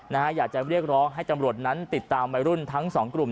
อยากจะเรียกร้องให้ตำรวจนั้นติดตามวัยรุ่นทั้งสองกลุ่ม